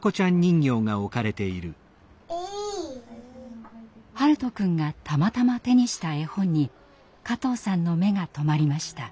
大翔くんがたまたま手にした絵本に加藤さんの目が留まりました。